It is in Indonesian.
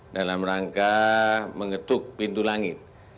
dalam rangka mengetuk pintu langit